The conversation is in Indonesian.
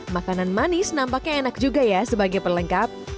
makanan manis nampaknya enak juga ya sebagai perlengkap